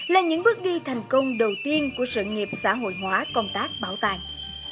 là những bước đi thành công đầu tiên của sự nghiệp xã hội hóa công tác bảo tàng